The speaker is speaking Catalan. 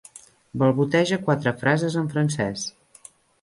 Balboteja quatres frases en francès.